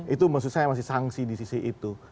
itu maksud saya masih sangsi di sisi itu